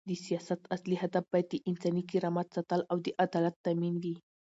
د سیاست اصلي هدف باید د انساني کرامت ساتل او د عدالت تامین وي.